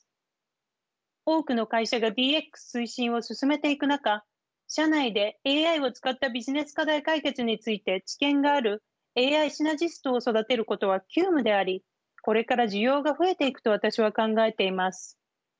多くの会社がＤＸ推進を進めていく中社内でＡＩを使ったビジネス課題解決について知見があるＡＩシナジストを育てることは急務でありこれから需要が増えていくと私は考えています。